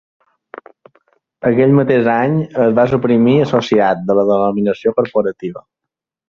Aquell mateix any, es va suprimir "Associat" de la denominació corporativa.